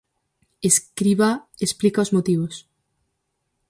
Escribá explica os motivos.